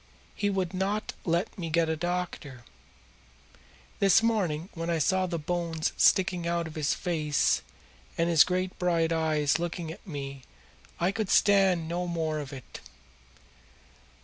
He would not let me get a doctor. This morning when I saw his bones sticking out of his face and his great bright eyes looking at me I could stand no more of it.